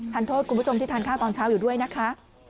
โทษคุณผู้ชมที่ทานข้าวตอนเช้าอยู่ด้วยนะคะ